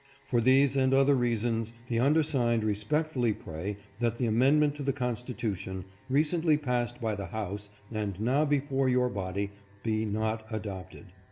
" For these and other reasons the undersigned respectfully pray that the amendment to the Constitution, recently passed by the House and now before your body, be not adopted.